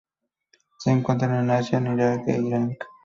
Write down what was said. Se encuentran en Asia: el Irán e Irak.